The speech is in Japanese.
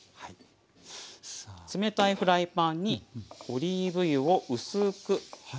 冷たいフライパンにオリーブ油を薄く塗ります。